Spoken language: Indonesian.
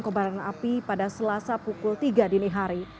kebaran api pada selasa pukul tiga dini hari